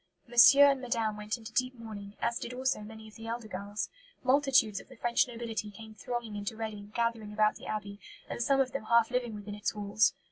"Monsieur and Madame went into deep mourning, as did also many of the elder girls. Multitudes of the French nobility came thronging into Reading, gathering about the Abbey, and some of them half living within its walls."